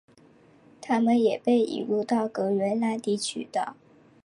它们也被引入到格瑞纳丁群岛。